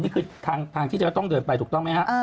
นี่คือทางที่จะต้องเดินไปถูกต้องไหมฮะ